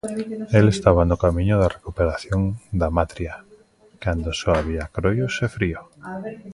El estaba no camiño da recuperación da Matria cando só había croios e frío.